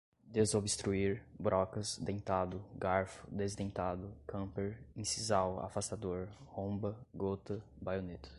desobstruir, brocas, dentado, garfo, desdentado, camper, incisal, afastador, romba, gota, baioneta